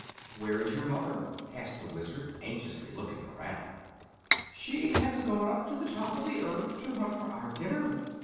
"Where is your mother?" asked the Wizard, anxiously looking around. "She has gone up to the top of the earth to hunt for our dinner.